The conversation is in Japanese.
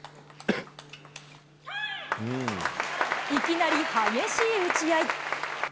いきなり激しい打ち合い。